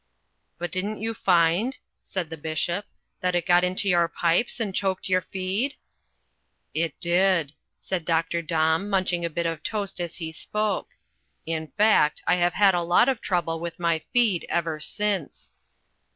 "But didn't you find," said the Bishop, "that it got into your pipes and choked your feed?" "It did," said Dr. Domb, munching a bit of toast as he spoke. "In fact, I have had a lot of trouble with my feed ever since."